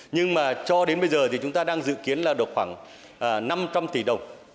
nhưng mà cho đến bây giờ thì chúng ta đang dự kiến là được khoảng năm trăm linh tỷ đồng